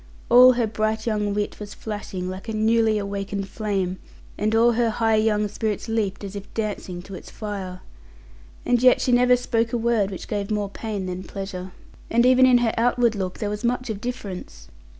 All her bright young wit was flashing, like a newly awakened flame, and all her high young spirits leaped, as if dancing to its fire. And yet she never spoke a word which gave more pain than pleasure. And even in her outward look there was much of difference.